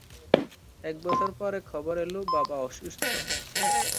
এক বছর পরে খবর এলো বাবা অসুস্থ।